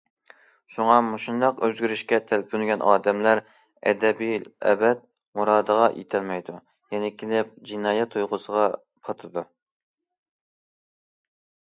شۇڭا مۇشۇنداق ئۆزگىرىشكە تەلپۈنگەن ئادەملەر ئەبەدىلئەبەد مۇرادىغا يېتەلمەيدۇ، يەنە كېلىپ جىنايەت تۇيغۇسىغا پاتىدۇ.